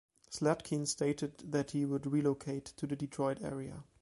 Slatkin stated that he would relocate to the Detroit area.